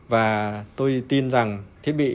và tôi tin rằng thiết bị